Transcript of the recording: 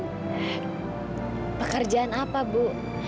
tapi pekerjaan apa bu